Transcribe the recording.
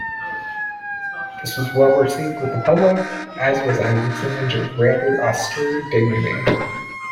This was well-received with the public, as was Isaacs's image of rather austere dignity.